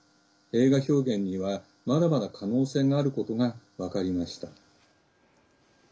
映画表現には、まだまだ可能性があることが分かりました。